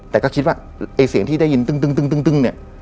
แต่ก็คิดว่าเสียงที่ได้ยินดึง